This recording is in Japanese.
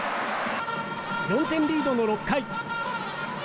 ４点リードの６回。